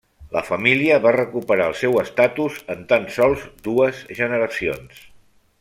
La família va recuperar el seu estatus en tan sols dues generacions.